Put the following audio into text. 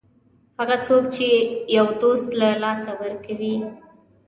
هغه څوک چې یو دوست له لاسه ورکوي.